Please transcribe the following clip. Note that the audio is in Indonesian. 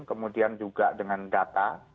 kemudian juga dengan data